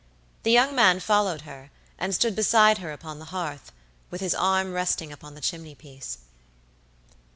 The young man followed her, and stood beside her upon the hearth, with his arm resting upon the chimney piece.